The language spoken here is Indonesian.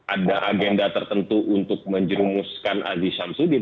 ada agenda tertentu untuk menjerumuskan aziz syamsuddin